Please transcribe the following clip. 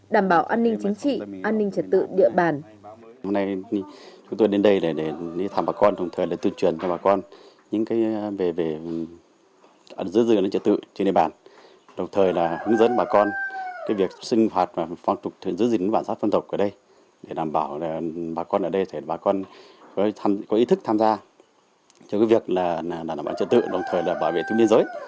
đảm bảo an ninh chính trị an ninh trật tự địa bàn